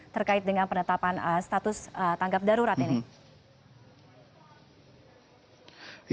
terkait dengan penetapan status tanggap darurat ini